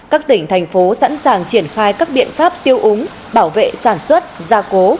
các tỉnh thành phố sẵn sàng triển khai các biện pháp tiêu úng bảo vệ sản xuất gia cố